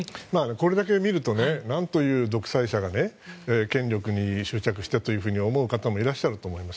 これだけ見るとなんという独裁者が権力に執着してと思う方もいらっしゃると思います。